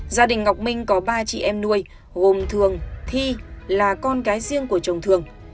gia đình ngọc minh có ba chị em nuôi gồm thường thi là con gái riêng của chồng thường